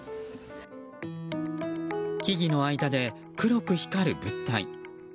木々の間で黒く光る物体。